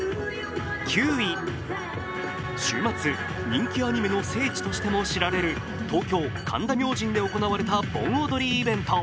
週末、人気アニメの聖地としても知られる、東京神田明神で行われた盆踊りイベント。